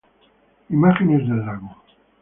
Imágenes del Lago